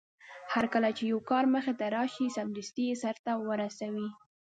هرکله چې يو کار مخې ته راشي سمدستي يې سرته ورسوي.